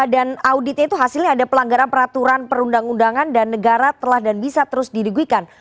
dan auditnya itu hasilnya ada pelanggaran peraturan perundang undangan dan negara telah dan bisa terus dideguikan